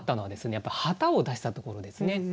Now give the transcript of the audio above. やっぱ旗を出したところですね。